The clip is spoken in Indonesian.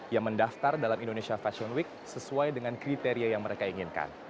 yang mendaftar dalam indonesia fashion week sesuai dengan kriteria yang mereka inginkan